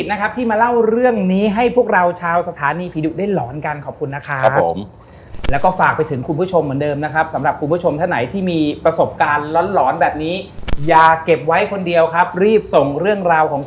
ส่วนเรื่องโรงแรมผมว่ามันเป็น